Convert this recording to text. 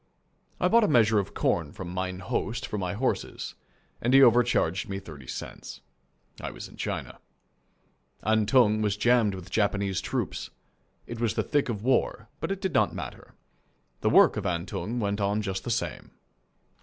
I bought a measure of corn from mine host for my horses, and he overcharged me thirty cents. I was in China. Antung was jammed with Japanese troops. It was the thick of war. But it did not matter. The work of Antung went on just the same.